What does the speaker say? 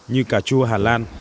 như cà chua hà lan